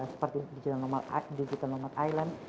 seperti digital nomad island